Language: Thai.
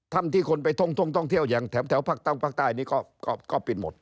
ถ้ำที่คนไปท่งเที่ยวอย่างแถวภาคตั้งภาคใต้นี้ก็ปิดหมด